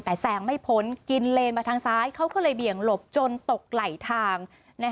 แต่แซงไม่พ้นกินเลนมาทางซ้ายเขาก็เลยเบี่ยงหลบจนตกไหลทาง